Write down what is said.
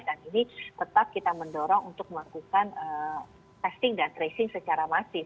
dan ini tetap kita mendorong untuk melakukan testing dan tracing secara masif